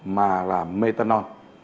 mà là methanol